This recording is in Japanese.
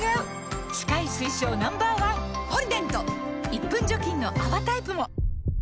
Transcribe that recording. １分除菌の泡タイプも！